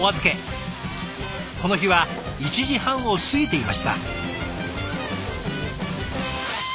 この日は１時半を過ぎていました。